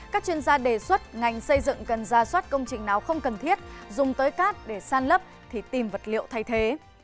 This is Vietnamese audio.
các chuyên gia đề xuất ngành xây dựng cần ra soát công trình nào không cần thiết dùng tới cát để san lấp thì tìm vật liệu thay thế